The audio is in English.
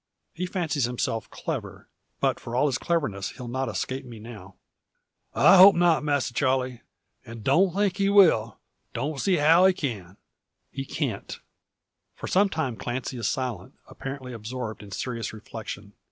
He fancies himself clever, but for all his cleverness he'll not escape me now." "I hope not, Masser Charle; an' don't think he will; don't see how he can." "He can't." For some time Clancy is silent, apparently absorbed in serious reflection.